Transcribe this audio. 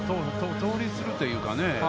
盗塁するというかね。